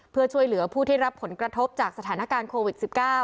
เพื่อช่วยเหลือผู้ที่รับผลกระทบจากสถานการณ์โควิด๑๙